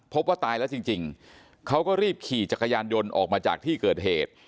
พบว่าตายแล้วจริงเขาก็รีบขี่จักรยานยนต์ออกมาจากที่เกิดเหตุ